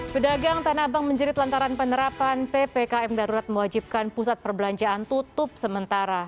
pedagang tanah abang menjerit lantaran penerapan ppkm darurat mewajibkan pusat perbelanjaan tutup sementara